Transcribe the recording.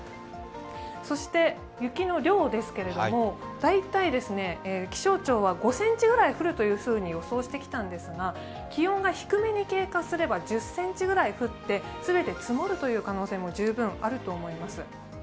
そして、雪の量ですけれども、大体気象庁は５ｃｍくらい降ると予想してきたんですが、気温が低めに経過すれば１０ｃｍぐらい降って全て積もるという可能性も十分あると思います。